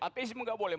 ateismen nggak boleh